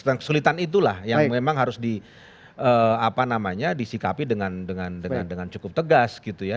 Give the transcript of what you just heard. ada kesulitan itulah yang memang harus di apa namanya disikapi dengan cukup tegas gitu ya